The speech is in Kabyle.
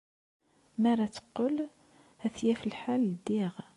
Mi ara d-teqqel, ad t-yaf lḥal ddiɣ.